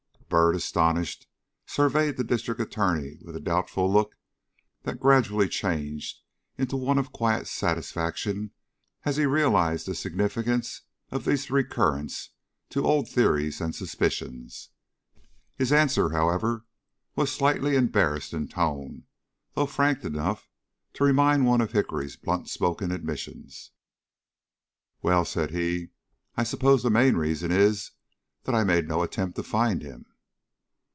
Byrd, astonished, surveyed the District Attorney with a doubtful look that gradually changed into one of quiet satisfaction as he realized the significance of this recurrence to old theories and suspicions. His answer, however, was slightly embarrassed in tone, though frank enough to remind one of Hickory's blunt spoken admissions. "Well," said he, "I suppose the main reason is that I made no attempt to find him."